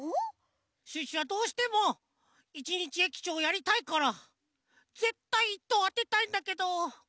シュッシュはどうしても一日駅長やりたいからぜったい１とうあてたいんだけど。